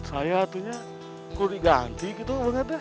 saya tuhnya kok diganti gitu banget deh